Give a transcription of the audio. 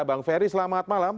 bang ferry selamat malam